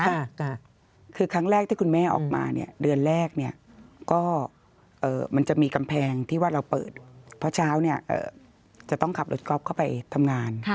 ค่ะคือครั้งแรกที่คุณแม่ออกมาเนี่ยเดือนแรกเนี่ยก็เอ่อมันจะมีกำแพงที่ว่าเราเปิดเพราะเช้าเนี่ยจะต้องขับรถก๊อฟเข้าไปทำงาน